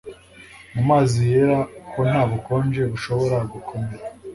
mu mazi yera ko nta bukonje bushobora gukomera